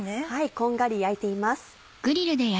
こんがり焼いています。